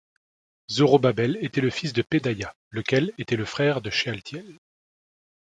Zorobabel était le fils de Pedaïa, lequel était le frère de Shéaltiel.